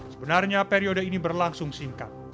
sebenarnya periode ini berlangsung singkat